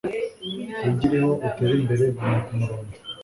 wigireho, utere imbere, guma kumurongo